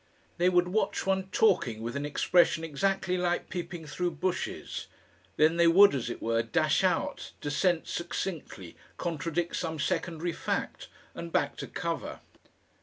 They would watch one talking with an expression exactly like peeping through bushes. Then they would, as it were, dash out, dissent succinctly, contradict some secondary fact, and back to cover.